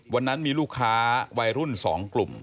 วันนั้นมีลูกค้าวัยรุ่น๒กลุ่ม